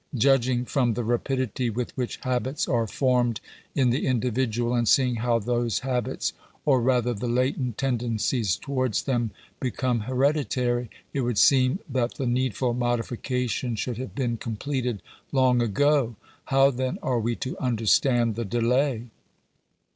Judging from the rapidity with which habits are formed in the individual, and seeing how those habits, or rather the latent tendencies towards them, become hereditary, Digitized by VjOCK 414. GENERAL CONSIDERATIONS. it would seem that the needful modification should have been completed long ago. How, then, are we to understand the delay?